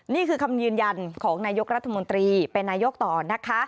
นี่คือคำยืนยันของนายกรัฐมนตรีเป็นนายกต่อนะคะ